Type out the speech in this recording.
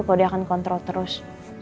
kalau dia akan kontrol terus